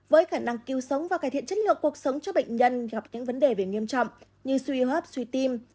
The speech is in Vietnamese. với khả năng cứu sống và cải thiện chất lượng cuộc sống cho bệnh nhân gặp những vấn đề về nghiêm trọng như suy hô hấp suy tim